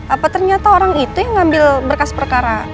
apa ternyata orang itu yang ngambil berkas perkara